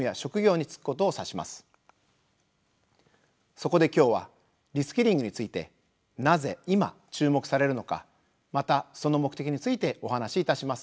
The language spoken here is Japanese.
そこで今日は「リスキリング」についてなぜ今注目されるのかまたその目的についてお話しいたします。